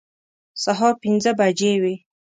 سهار پنځه بجې وې.